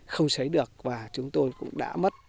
không sấy được và chúng tôi cũng đã mất